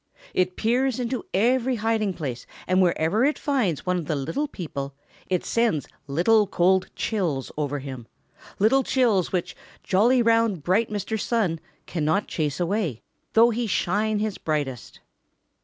It peers into every hiding place and wherever it finds one of the little people it sends little cold chills over him, little chills which jolly, round, bright Mr. Sun cannot chase away, though he shine his brightest.